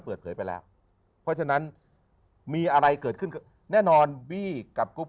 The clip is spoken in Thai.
เปิดเผยไปแล้วเพราะฉะนั้นมีอะไรเกิดขึ้นแน่นอนบี้กับกรุ๊ป